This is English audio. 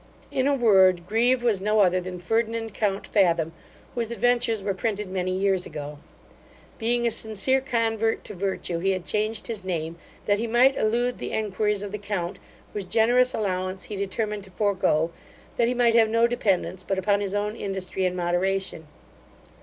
In a word, Grieve was no other than Ferdinand count Fathom, whose adventures were printed many years ago. Being a sincere convert to virtue, he had changed his name, that he might elude the enquiries of the count, whose generous allowance he determined to forego, that he might have no dependence but upon his own industry and moderation.